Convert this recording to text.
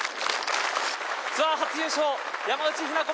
ツアー初優勝山内日菜子